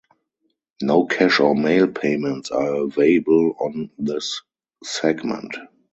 No cash or mail payments are available on this segment.